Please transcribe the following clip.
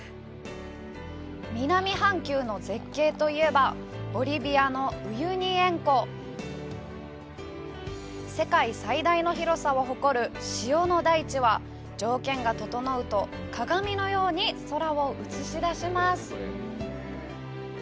南半球の絶景といえばボリビアのウユニ塩湖。世界最大の広さを誇る塩の大地は条件が整うと鏡のように空を映し出します。